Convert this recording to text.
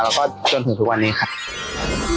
แล้วก็จนถึงทุกวันนี้ครับ